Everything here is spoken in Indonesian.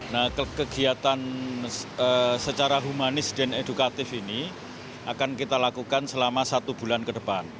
nah kegiatan secara humanis dan edukatif ini akan kita lakukan selama satu bulan ke depan